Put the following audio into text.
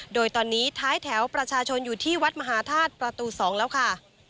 โดยตอนนี้ท้ายแถวประชาชนอยู่ที่วัดมหาธาตุประตู๒แล้วค่ะ